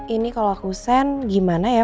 ini kalau aku sen gimana ya